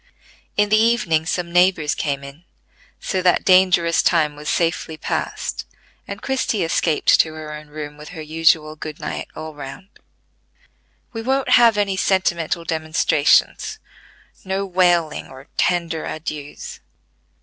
In the evening some neighbors came in; so that dangerous time was safely passed, and Christie escaped to her own room with her usual quiet good night all round. "We won't have any sentimental demonstrations; no wailing, or tender adieux.